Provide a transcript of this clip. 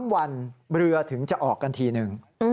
๓วันเรือถึงจะออกกันทีนึง